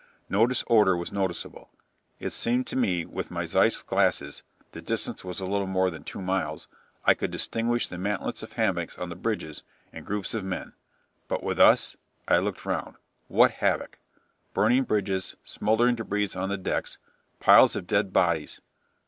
No disorder was noticeable. It seemed to me that with my Zeiss glasses (the distance was a little more than two miles) I could distinguish the mantlets of hammocks on the bridges and the groups of men. But with us? I looked round. What havoc! Burning bridges, smouldering débris on the decks, piles of dead bodies.